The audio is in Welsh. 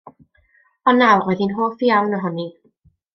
Ond nawr roedd hi'n hoff iawn ohoni.